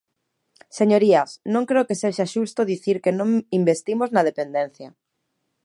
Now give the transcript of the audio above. Señorías, non creo que sexa xusto dicir que non investimos na dependencia.